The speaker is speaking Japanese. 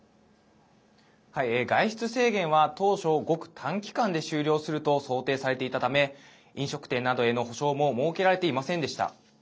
外出制限は当初、ごく短期間で終了すると想定されていたため飲食店などへの補償も設けられていませんでした。